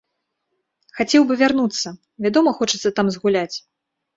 Хацеў бы вярнуцца, вядома хочацца там згуляць.